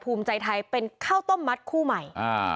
ภูมิใจไทยเป็นข้าวต้มมัดคู่ใหม่อ่า